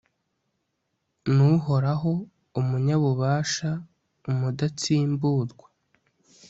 ni uhoraho, umunyabubasha, umudatsimburwa